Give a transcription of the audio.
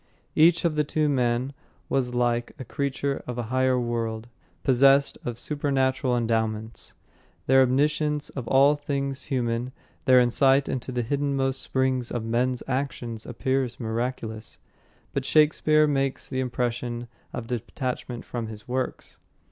Each of the two men was like a creature of a higher world, possessed of supernatural endowments. Their omniscience of all things human, their insight into the hiddenmost springs of men's actions appear miraculous. But Shakespeare makes the impression of detachment from his works.